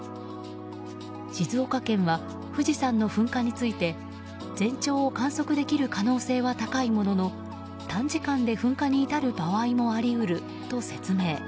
静岡県は富士山の噴火について前兆を観測できる可能性は高いものの短時間で噴火に至る場合もあり得ると説明。